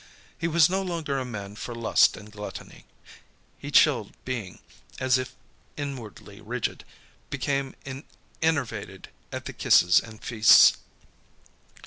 He was no longer a man for lust and gluttony. His chilled being, as if inwardly rigid, became enervated at the kisses and feasts.